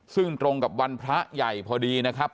ซึ่งตรงกับวันพระใหญ่พอดีนะครับ